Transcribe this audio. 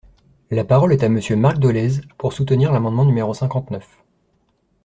La parole est à Monsieur Marc Dolez, pour soutenir l’amendement numéro cinquante-neuf.